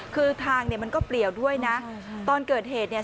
คือทางเนี่ยมันก็เปลี่ยวด้วยนะตอนเกิดเหตุเนี่ย